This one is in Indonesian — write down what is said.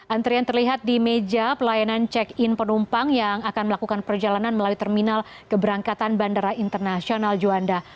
antrian terlihat di meja pelayanan check in penumpang yang akan melakukan perjalanan melalui terminal keberangkatan bandara internasional juanda